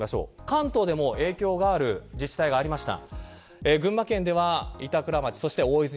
関東でも影響がある自治体がありました。